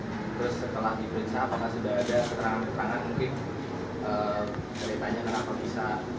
untuk masuk ke dalam hafaz yang ditangkap ini